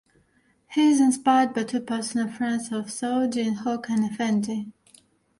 He is inspired by two personal friends of Soe, Djin Hok and Effendi.